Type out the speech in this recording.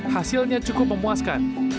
hasilnya cukup memuaskan